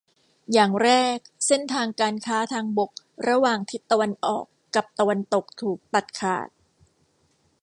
อย่างแรก เส้นทางการค้าทางบกระหว่างทิศตะวันออกกับตะวันตกถูกตัดขาด